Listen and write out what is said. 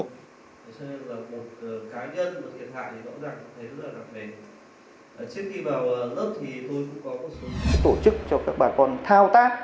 tổ chức cho các bà con thao tác